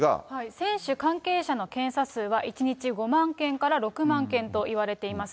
選手、関係者の検査数は１日５万件から６万件といわれています。